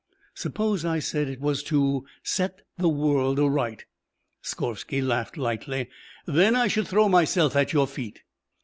"Suppose I said it was to set the world aright?" Skorvsky laughed lightly. "Then I should throw myself at your feet."